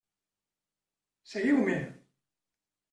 Seguiu-me!